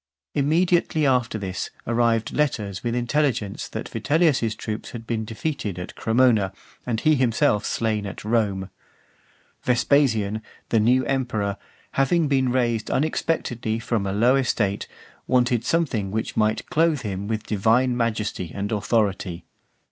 Immediately after this, arrived letters with intelligence that Vitellius's troops had been defeated at Cremona, and he himself slain at Rome. Vespasian, the new emperor, having been raised unexpectedly from a low estate, wanted something which might clothe him with divine majesty and authority.